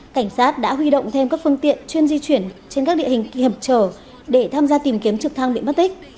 cảnh sát đã huy động thêm các phương tiện chuyên di chuyển trên các địa hình hiểm trở để tham gia tìm kiếm trực thăng bị mất tích